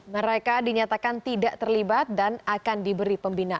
mereka dinyatakan tidak terlibat dan akan diberi pembinaan